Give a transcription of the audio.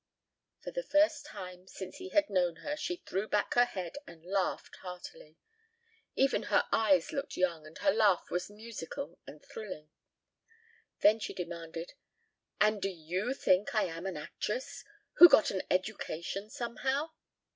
'" For the first time since he had known her she threw back her head and laughed heartily. Even her eyes looked young and her laugh was musical and thrilling. Then she demanded: "And do you think I am an actress who got an education somehow?"